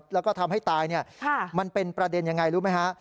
แล้วก็ทำให้ตายมันเป็นประเด็นยังไงรู้ไหมฮะ